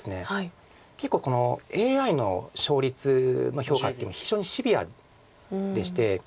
結構このＡＩの勝率の評価っていうのは非常にシビアでして。